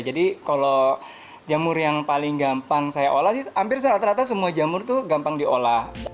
jadi kalau jamur yang paling gampang saya olah hampir secara ternyata semua jamur itu gampang diolah